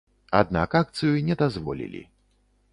Аднак акцыю не дазволілі.